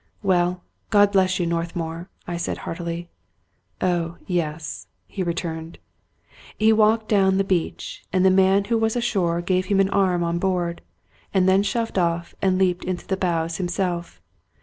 " Well, God bless you, Northmour !" I said heartily. " Oh, yes," he returned. He walked down the beach ; and the man who was ashore gave him an arm on board, and then shoved off and leaped into the bows himself.